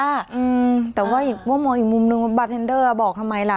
อืมแต่ว่ามีมุมนึงบัตเทนเดอร์บอกทำไมล่ะ